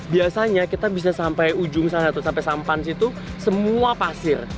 biasanya kita bisa sampai ujung sana tuh sampai sampan situ semua pasir